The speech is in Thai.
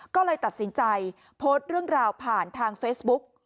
ก็เลยตัดสินใจโพสต์เรื่องราวผ่านทางเฟซบุ๊ก